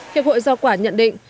hiệp hội giao quả nhận định